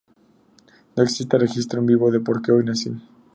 No existe registro en vivo de "Porque hoy nací".